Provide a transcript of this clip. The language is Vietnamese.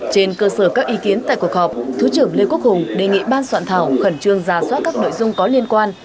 trên cơ sở các ý kiến tại cuộc họp thứ trưởng lê quốc hùng đề nghị ban soạn thảo khẩn trương ra soát các nội dung có liên quan